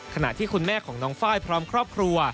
ขณะที่คุณแม่ของน้องไฟล์พร้อมครอบครัว